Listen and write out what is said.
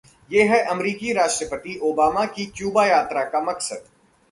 ये है अमेरिकी राष्ट्रपति ओबामा की क्यूबा यात्रा का मकसद